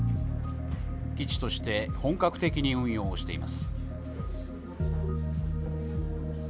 基地として本格的に運用しています。